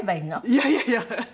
いやいやいや！